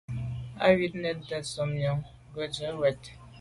Á wʉ́ Wàtɛ̀ɛ́t nɔ́ɔ̀ nswɛ́ɛ̀n nyɔ̌ŋ bā ngə́tú’ cwɛ̀t.